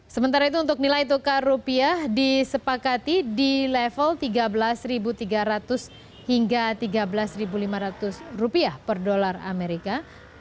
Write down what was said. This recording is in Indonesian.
sementara itu untuk nilai tukar rupiah disepakati di level tiga belas tiga ratus hingga rp tiga belas lima ratus rupiah per dolar amerika